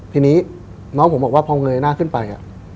ทีนี้น้องผมบอกว่าพอเงยหน้าขึ้นไป